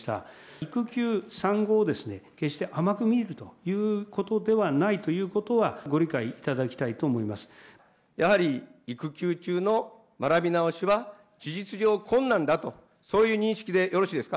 育休・産後を決して甘く見るということではないということは、やはり育休中の学び直しは事実上、困難だと、そういう認識でよろしいですか。